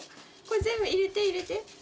これ全部入れて入れて。